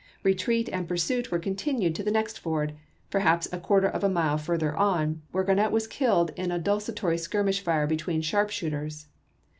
Retreat and pursuit were continued to the next ford, perhaps a quarter of a mile further on, where Grarnett was killed in a desultory skirmish fire between sharp shooters.